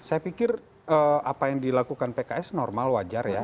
saya pikir apa yang dilakukan pks normal wajar ya